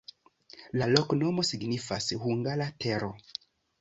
La loknomo signifas: hungara-tero.